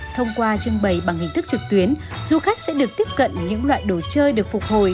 thông qua trưng bày bằng hình thức trực tuyến du khách sẽ được tiếp cận những loại đồ chơi được phục hồi